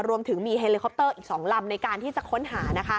รวมถึงมีเฮลิคอปเตอร์อีก๒ลำในการที่จะค้นหา